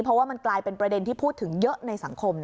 เพราะว่ามันกลายเป็นประเด็นที่พูดถึงเยอะในสังคม